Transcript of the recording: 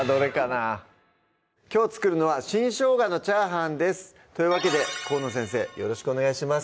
きょう作るのは「新生姜のチャーハン」ですというわけで河野先生よろしくお願いします